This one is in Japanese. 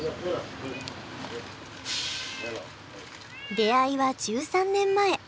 出会いは１３年前。